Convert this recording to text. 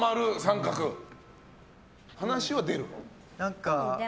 話は出る？